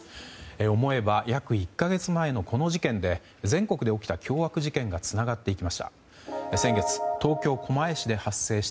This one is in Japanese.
思えば、約１か月前のこの事件で全国で起きた凶悪事件がつながっていきました。